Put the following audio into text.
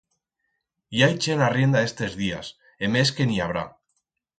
I hai chent arrienda estes días, e mes que en i habrá.